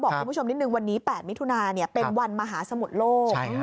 คุณผู้ชมนิดนึงวันนี้๘มิถุนาเป็นวันมหาสมุทรโลก